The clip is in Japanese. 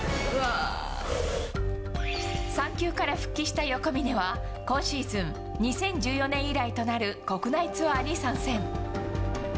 産休から復帰した横峯は、今シーズン、２０１４年以来となる国内ツアーに参戦。